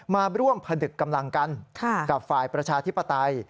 มาร่วมผนึกกำลังกันกับฝ่ายประชาธิปไตย